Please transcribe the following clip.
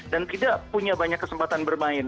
dan tidak punya banyak kesempatan bermain